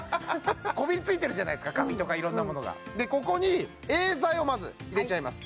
こびりついてるじゃないですかカビとかいろんなものがここにＡ剤をまず入れちゃいます